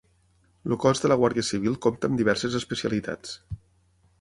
El cos de la Guàrdia Civil compta amb diverses especialitats.